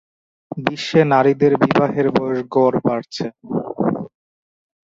বিশ্বে নারীদের বিবাহের বয়সের গড় বাড়ছে।